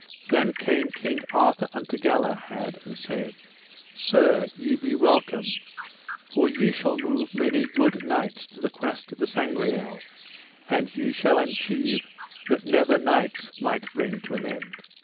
Then came King Arthur unto Galahad and said: Sir, ye be welcome, for ye shall move many good knights to the quest of the Sangreal, and ye shall enchieve that never knights might bring to an end.